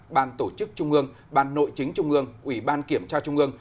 ban tổ chức trung ương ban nội chính trung ương ủy ban kiểm tra trung ương